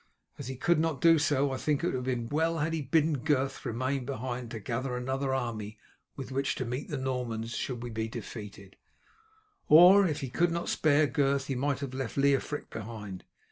As he could not do so, I think it would have been well had he bidden Gurth remain behind to gather another army with which to meet the Normans should we be defeated; or if he could not spare Gurth he might have left Leofric behind.